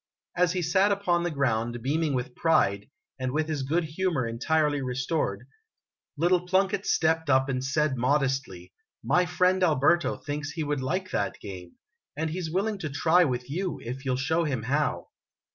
As he sat upon the ground, beaming with pride, and with his good humor entirely restored, little Plunkett stepped up and said modestly: "My friend Alberto thinks he would like that game and he 's willing to try with you, if you '11 show him how."